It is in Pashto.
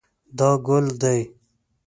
دا ګل دی